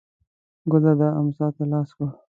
ګلداد امسا ته لاس کړ.